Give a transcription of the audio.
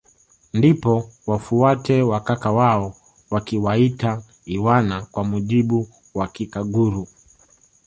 Ndipo wafuate wa kaka wao wakiwaita iwana kwa mujibu wa kikaguru